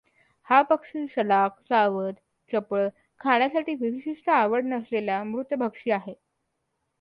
हा पक्षी चलाख, सावध, चपळ, खाण्यासाठी विशिष्ट आवड नसलेला, मृतभक्षी आहे.